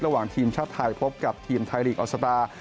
ระหว่างทีมชาติไทยพบกับทีมไทยลีกออสตาร์